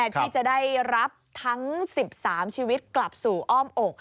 ที่จะได้รับทั้ง๑๓ชีวิตกลับสู่อ้อมอก